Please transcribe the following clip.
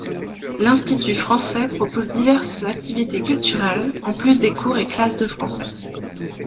L'Institut français propose diverses activités culturelles, en plus des cours et classes de français.